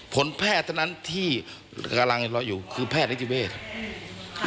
ผลแพทย์เท่านั้นที่กำลังรออยู่คือแพทย์นิติเวศ